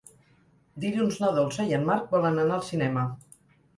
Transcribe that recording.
Dilluns na Dolça i en Marc volen anar al cinema.